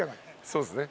そうですね。